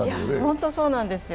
ホントそうなんですよ。